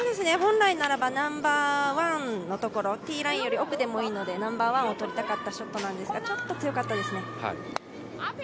本来ならばナンバーワンのところ、ティーラインより奥でもいいのでナンバーワンを取りたかったショットなんですがちょっと強かったですね。